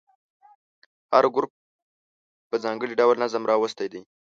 هر ګروپ په ځانګړي ډول نظم راوستی دی.